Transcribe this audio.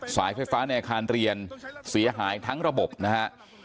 สายไฟฟ้าในอาคารเรียนเสียหายทั้งระบบนะฮะ